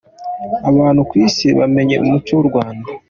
Abantu ku isi bamenye umuco w’u Rwanda.